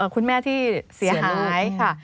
คุณแม่ที่เสียหายค่ะ